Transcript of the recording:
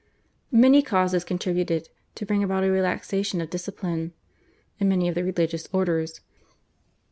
Many causes contributed to bring about a relaxation of discipline in many of the religious orders.